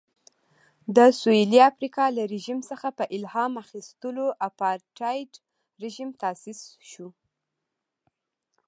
د سوېلي افریقا له رژیم څخه په الهام اخیستو اپارټایډ رژیم تاسیس شو.